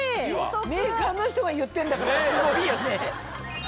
メーカーの人が言ってんだからすごいよね。